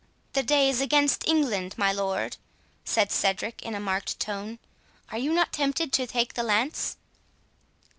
"The day is against England, my lord," said Cedric, in a marked tone; "are you not tempted to take the lance?"